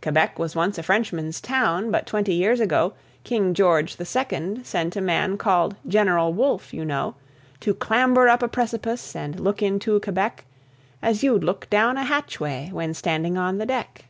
"Quebec was once a Frenchman's town, but twenty years ago King George the Second sent a man called General Wolfe, you know, To clamber up a precipice and look into Quebec, As you'd look down a hatchway when standing on the deck.